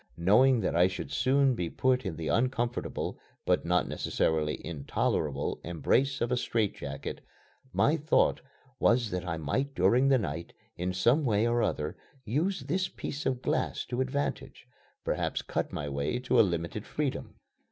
Knowing that I should soon be put in the uncomfortable, but not necessarily intolerable embrace of a strait jacket, my thought was that I might during the night, in some way or other, use this piece of glass to advantage perhaps cut my way to a limited freedom.